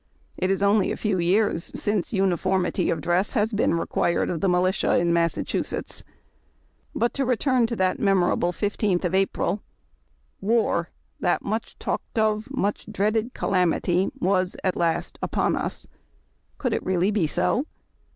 It is only a few years since uniformity of dress has been re quired of the militia in Massachusetts. But to return to that memorable 15th of April. War, that much talked of, much dreaded calamity was at last upon us. Could it really be so